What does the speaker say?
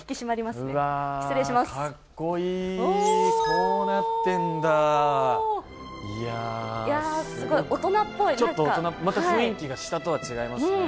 こうなってんだいやいやすごい大人っぽいちょっと大人また雰囲気が下とは違いますね